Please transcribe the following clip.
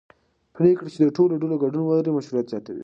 پرېکړې چې د ټولو ډلو ګډون ولري مشروعیت زیاتوي